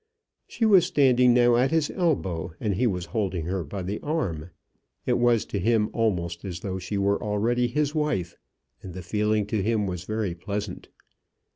She was standing now at his elbow, and he was holding her by the arm. It was to him almost as though she were already his wife, and the feeling to him was very pleasant.